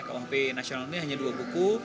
kuhp nasional ini hanya dua buku